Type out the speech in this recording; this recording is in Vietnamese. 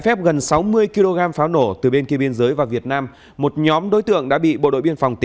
phép gần sáu mươi kg pháo nổ từ bên kia biên giới vào việt nam một nhóm đối tượng đã bị bộ đội biên phòng